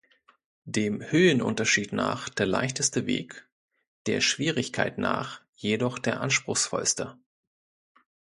Dem Höhenunterschied nach der leichteste Weg, der Schwierigkeit nach jedoch der anspruchsvollste.